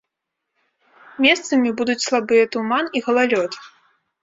Месцамі будуць слабыя туман і галалёд.